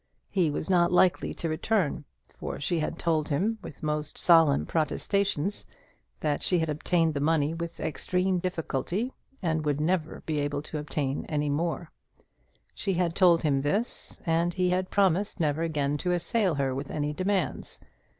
He was not likely to return; for she had told him, with most solemn protestations, that she had obtained the money with extreme difficulty, and would never be able to obtain more. She had told him this, and he had promised never again to assail her with any demands.